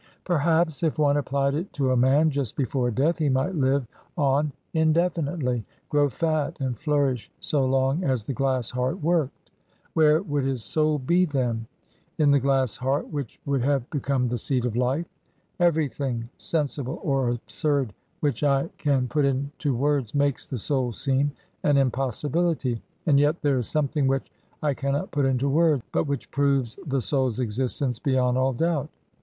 Perhaps if one applied it to a man just before death he might live on indefinitely, grow fat and flourish so long as the glass heart worked. Where would his soul be then? In the glass heart, which would have become the seat of life? Everything, sensible or absurd, which I can put into words makes the soul seem an impossibility and yet there is something which I cannot put into words, but which proves the soul's existence beyond all doubt.